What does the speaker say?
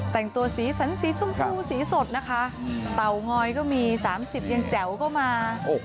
แต่งตัวสีสันสีชมพูสีสดนะคะเตางอยก็มี๓๐ยังแจ๋วก็มา